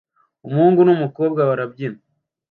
Umuhungu n'umukobwa barabyina